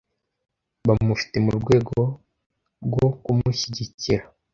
bamufite mu rwego rwo kumushyigikira